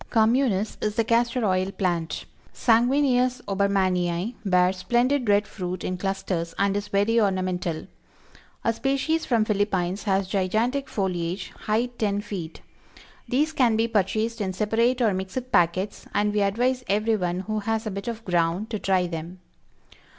Communis is the Castor Oil Plant. Sanguineus (Obermanii) bears splendid red fruit in clusters, and is very ornamental. A species from Phillippines has gigantic foliage; height ten feet. These can be purchased in separate or mixed packets, and we advise everyone who has a bit of ground to try them.